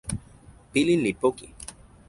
pilin li poki.